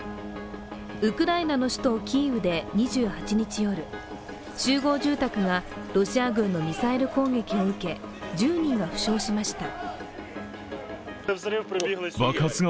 ウクライナの首都キーウで２８日夜、集合住宅がロシア軍のミサイル攻撃を受け、１０人が負傷しました。